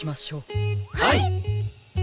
はい！